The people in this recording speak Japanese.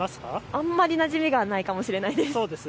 あまりなじみないかもしれないです。